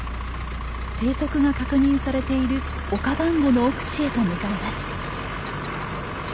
生息が確認されているオカバンゴの奥地へと向かいます。